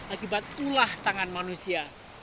akibat ulah tangan manusia